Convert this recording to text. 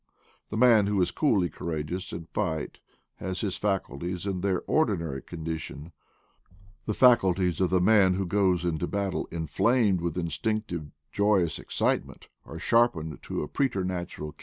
The man who is coolly courageous in fight has his faculties in their ordinary condition: the facul ties of the man who goes into battle inflamed with instinctive, joyous excitement are sharpened to a preternatural keenness.